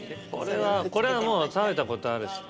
これはもう食べた事あるし。